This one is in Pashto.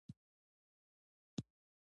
د کتاب نومونه هم وزن بدلوي.